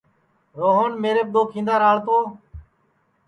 روہن میریپ دؔو کھیندا راݪ تو